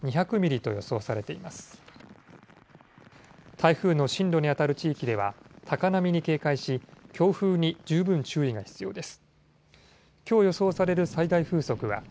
台風の進路にあたる地域では高波に警戒し強風に十分注意が必要です。